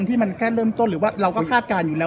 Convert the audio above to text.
ที่มันแค่เริ่มต้นหรือว่าเราก็คาดการณ์อยู่แล้ว